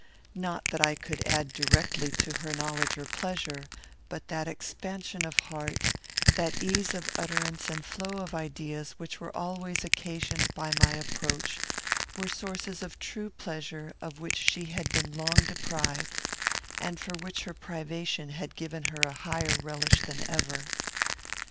Not that I could add directly to her knowledge or pleasure, but that expansion of heart, that ease of utterance and flow of ideas which always were occasioned by my approach, were sources of true pleasure of which she had been long deprived, and for which her privation had given her a higher relish than ever.